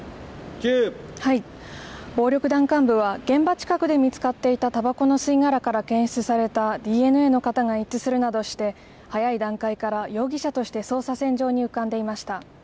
暴力団幹部は現場近くで見つかっていたたばこの吸い殻から検出されたＤＮＡの型が一致するなどして、早い段階から容疑者として捜査線上に浮かんでいました。